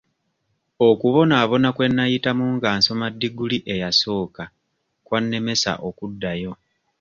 Okubonaabona kwe nayitamu nga nsoma ddiguli eyasooka kwannemesa okuddayo.